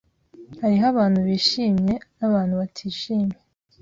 Hariho abantu bishimye nabantu batishimye.